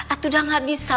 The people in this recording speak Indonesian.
aku sudah gak bisa